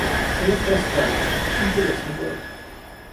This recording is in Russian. Электросталь — интересный город